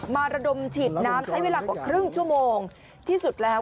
ระดมฉีดน้ำใช้เวลากว่าครึ่งชั่วโมงที่สุดแล้ว